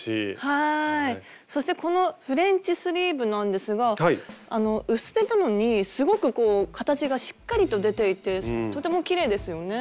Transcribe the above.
そしてこのフレンチスリーブなんですが薄手なのにすごくこう形がしっかりと出ていてとてもきれいですよね。